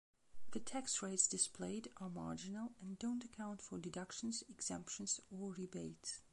The tax rates displayed are marginal and don't account for deductions, exemptions, or rebates.